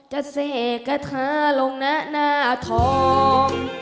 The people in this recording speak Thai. จะเสกกระทะลงหน้านาทอง